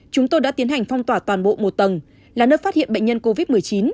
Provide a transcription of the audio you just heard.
chúng tôi đã tiến hành phong tỏa toàn bộ một tầng là nơi phát hiện bệnh nhân covid một mươi chín